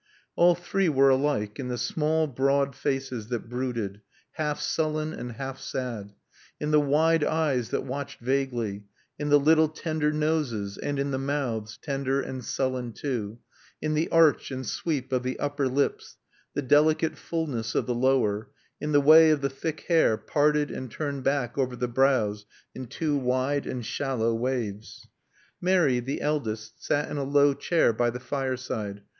All three were alike in the small, broad faces that brooded, half sullen and half sad; in the wide eyes that watched vaguely; in the little tender noses, and in the mouths, tender and sullen, too; in the arch and sweep of the upper lips, the delicate fulness of the lower; in the way of the thick hair, parted and turned back over the brows in two wide and shallow waves. Mary, the eldest, sat in a low chair by the fireside.